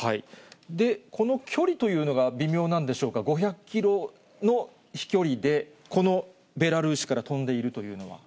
この距離というのが微妙なんでしょうか、５００キロの飛距離で、このベラルーシから飛んでいるというのは。